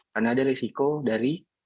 karena ada risiko dari